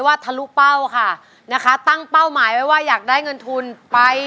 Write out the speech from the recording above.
มายืนตรงกลางนี้ร้องได้ครับ